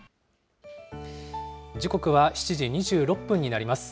時刻は７時２６分になります。